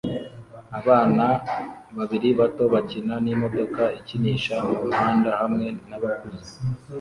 Abana babiri bato bakina n'imodoka ikinisha mu muhanda hamwe nabakuze